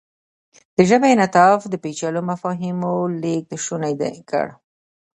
د ژبې انعطاف د پېچلو مفاهیمو لېږد شونی کړ.